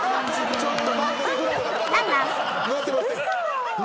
ちょっと。